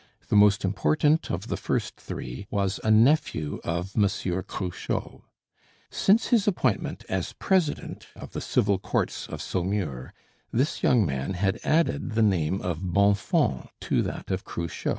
The most important of the first three was a nephew of Monsieur Cruchot. Since his appointment as president of the Civil courts of Saumur this young man had added the name of Bonfons to that of Cruchot.